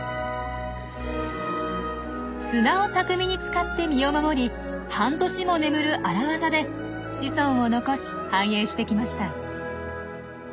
砂を巧みに使って身を守り半年も眠る荒業で子孫を残し繁栄してきました。